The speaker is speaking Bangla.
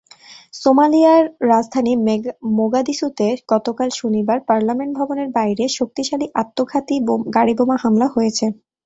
সোমালিয়ার রাজধানী মোগাদিসুতে গতকাল শনিবার পার্লামেন্ট ভবনের বাইরে শক্তিশালী আত্মঘাতী গাড়িবোমা হামলা হয়েছে।